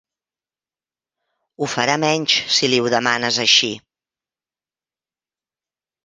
Ho farà menys, si li ho demanes així.